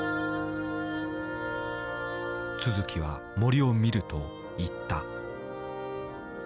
都築は森を見ると言った。